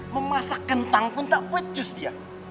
memasak kentang pun tak pecus dia